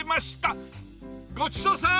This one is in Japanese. ごちそうさん！